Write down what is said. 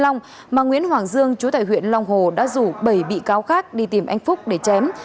nguyễn hoàng dương chú tài huyện long hồ đã rủ bảy bị cáo khác đi tìm anh phúc để chém